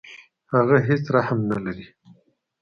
هغه هیڅ رحم نه لري.